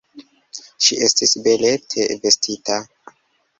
Ŝi estis belete vestita.